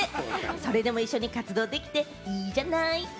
それでも一緒に活動できて、いいじゃない！